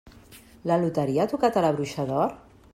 La loteria ha tocat a La bruixa d'or?